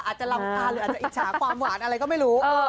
อาจจะลำคาหรืออาจจะอิจฉาความหวานอะไรก็ไม่รู้